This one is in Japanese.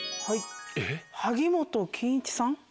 はい萩本欽一さん。